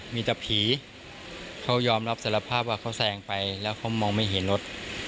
มีแต่ผีเขายอมรับสารภาพว่าเขาแซงไปแล้วเขามองไม่เห็นรถ